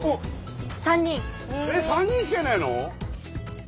えっ３人しかいないの？